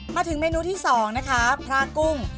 มาถึงเมนูที่๒นะคะพระกุ้ง